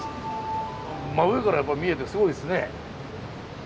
真上から見えてすごいですね。